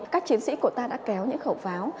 các chiến sĩ của ta đã kéo những khẩu pháo